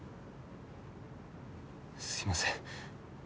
すいません。